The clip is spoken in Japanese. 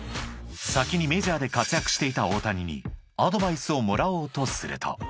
［先にメジャーで活躍していた大谷にアドバイスをもらおうとすると］